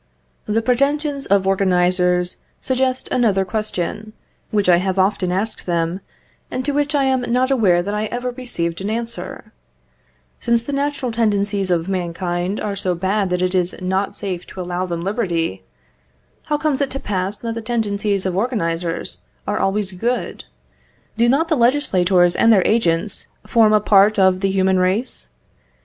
The pretensions of organisers suggest another question, which I have often asked them, and to which I am not aware that I ever received an answer: Since the natural tendencies of mankind are so bad that it is not safe to allow them liberty, how comes it to pass that the tendencies of organisers are always good? Do not the legislators and their agents form a part of the human race?